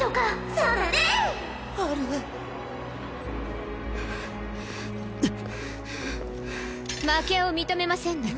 はあはあ負けを認めませんの？